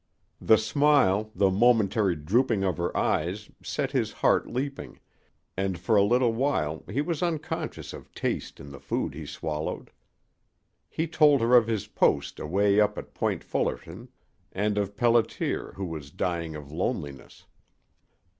The smile, the momentary drooping of her eyes, set his heart leaping, and for a little while he was unconscious of taste in the food he swallowed. He told her of his post away up at Point Fullerton, and of Pelliter, who was dying of loneliness.